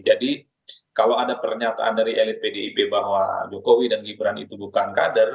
jadi kalau ada pernyataan dari elit pdip bahwa jokowi dan gibran itu bukan kader